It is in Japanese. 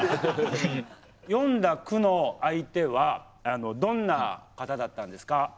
詠んだ句の相手はどんな方だったんですか？